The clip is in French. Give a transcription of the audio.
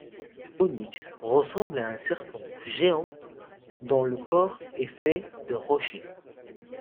Onix ressemble à un serpent géant dont le corps est fait de rochers.